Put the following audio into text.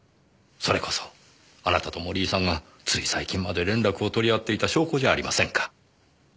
それこそあなたと森井さんがつい最近まで連絡を取り合っていた証拠じゃありませんか。